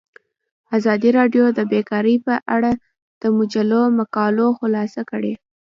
ازادي راډیو د بیکاري په اړه د مجلو مقالو خلاصه کړې.